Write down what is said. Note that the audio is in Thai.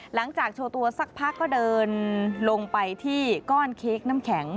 หลังจากโชว์ตัวสักพักก็เดินลงไปที่ก้อนเค้กน้ำแข็ง